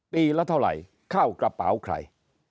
ปีละเท่าไหร่เข้ากระเป๋าใคร